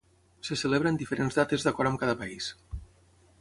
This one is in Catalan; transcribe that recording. Se celebra en diferents dates d'acord amb cada país.